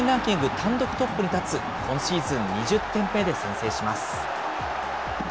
単独トップに立つ、今シーズン２０点目で先制します。